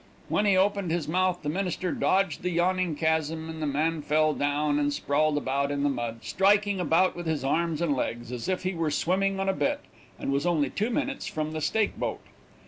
When he opened his mouth, the minister dodged the yawning chasm, and the man fell down and sprawled about in the mud, striking about with his arms and legs, as if he were swimming on a bet, and was only two minutes from the stake boat.